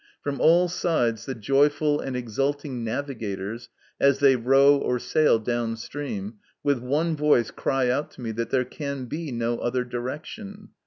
From all sides the joyful and exulting navigators, as they row or sail down stream, with one voice cry out to me that there can be no other direction.